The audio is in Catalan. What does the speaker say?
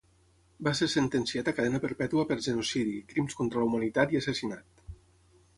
Va ser sentenciat a cadena perpètua per genocidi, crims contra la humanitat i assassinat.